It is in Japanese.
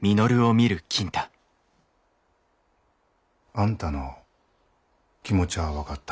あんたの気持ちゃあ分かった。